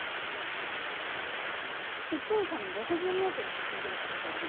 １分間に６０ｍ進んでるって事よね。